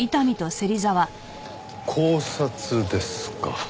絞殺ですか。